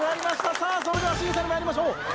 さあそれでは審査に参りましょう。